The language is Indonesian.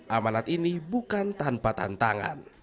amanat ini bukan tanpa tantangan